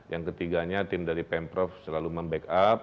yang ketiganya tim dari pemprov selalu membackup